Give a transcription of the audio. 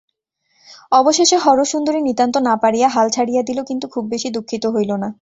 অবশেষে হরসুন্দরী নিতান্ত না পারিয়া হাল ছাড়িয়া দিল, কিন্তু খুব বেশি দুঃখিত হইল না।